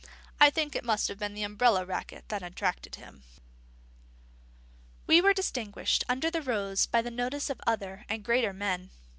"I think it must have been the umbrella racket that attracted him." We were distinguished under the rose by the notice of other and greater men.